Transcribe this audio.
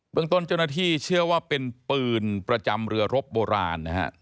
ต้นเจ้าหน้าที่เชื่อว่าเป็นปืนประจำเรือรบโบราณนะฮะ